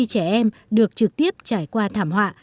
đặc biệt là khi trẻ em được trực tiếp trải qua thảm họa